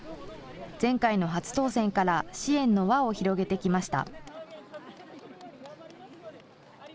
前回の初当選から、支援の輪を広げてきました。